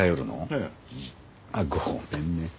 ええ。あっごめんね。